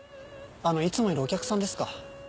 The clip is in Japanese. あのいつもいるお客さんですか。